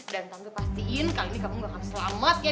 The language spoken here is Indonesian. dan tante pastiin kali ini kamu gak akan selamat ya